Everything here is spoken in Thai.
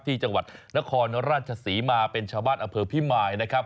ที่จังหวัดนครราชศรีมาเป็นชาวบ้านอำเภอพิมายนะครับ